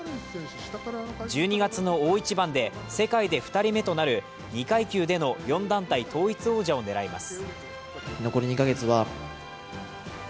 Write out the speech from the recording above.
１２月の大一番で世界で２人目となる２階級での４団体統一王者を狙います。